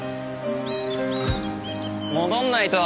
戻んないと。